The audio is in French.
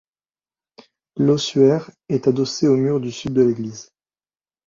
L'ossuaire est adossé au mur sud de l'église.